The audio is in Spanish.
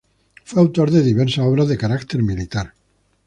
Fue autor de diversas obras de carácter militar.